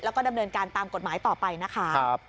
แล้วก็ดำเนินการตามกฎหมายต่อไปนะคะ